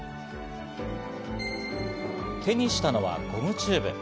手にしたのはゴムチューブ。